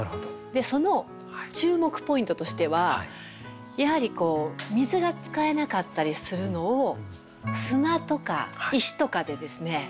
その注目ポイントとしてはやはりこう水が使えなかったりするのを砂とか石とかでですね